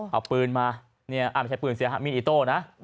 เอาปืนมานี่ไม่ใช่ปืนสินะมีอีโต้นะ